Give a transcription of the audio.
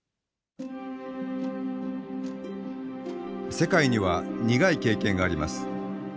世界には苦い経験があります。